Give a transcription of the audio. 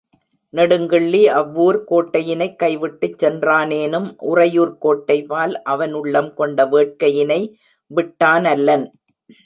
நெடுங்கிள்ளி, ஆவூர்க் கோட்டையினைக் கை விட்டுச் சென்றானேனும், உறையூர்க் கோட்டைபால் அவன் உள்ளம் கொண்ட வேட்கையினை விட்டானல்லன்.